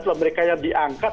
kalau mereka yang diangkat